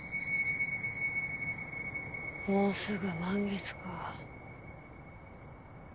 もうすぐ満月か